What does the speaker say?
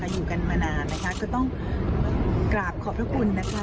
อยู่กันมานานก็ต้องกราบขอบขอบคุณ